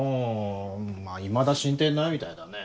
あいまだ進展ないみたいだね。